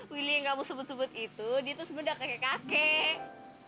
willy yang kamu sebut sebut itu dia tuh sebenarnya udah kakek kakek